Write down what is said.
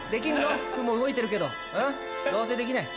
雲動いてるけどどうせできない。